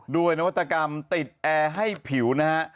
นวัตกรรมติดแอร์ให้ผิวนะฮะ